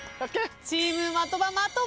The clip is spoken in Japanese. チーム的場的場